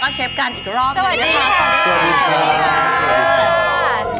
สวัสดีค่ะ